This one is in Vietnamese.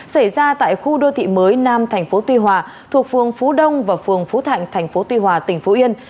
xảy ra tại khu đô thị mới nam thành phố tuy hòa thuộc phường phú đông và phường phú thạnh tp tuy hòa tỉnh phú yên